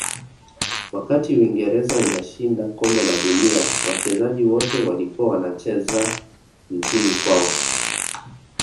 wakati uingereza inashinda kombe la dunia wachezaji wote walikuwa wanacheza nchini kwao